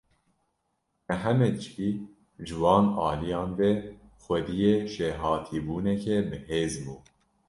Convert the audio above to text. Mihemed jî ji wan aliyan ve xwediyê jêhatîbûneke bihêz bû.